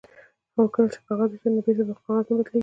هو کله چې کاغذ وسوځي نو بیرته په کاغذ نه بدلیږي